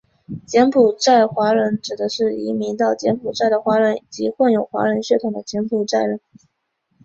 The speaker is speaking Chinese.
柬埔寨华人指的是移民到柬埔寨的华人及混有华人血统的柬埔寨人。